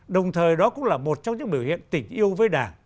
đồng thời đó cũng là một trong những biểu hiện tình yêu với đảng